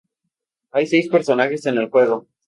Hay seis personajes en el videojuego.